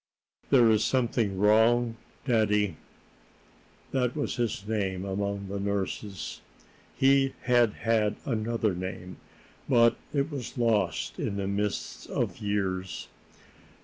"There is something wrong, daddy." That was his name, among the nurses. He had had another name, but it was lost in the mists of years.